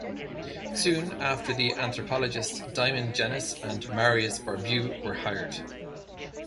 Soon after, the anthropologists Diamond Jenness and Marius Barbeau were hired.